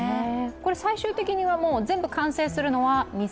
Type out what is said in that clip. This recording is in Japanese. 最終的には全部完成するのは？